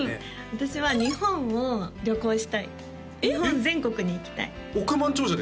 私は日本を旅行したい日本全国に行きたい億万長者ですよ？